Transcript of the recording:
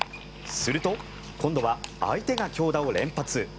すると、今度は相手が強打を連発。